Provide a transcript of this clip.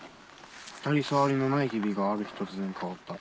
「当たり障りのない日々がある日突然変わった。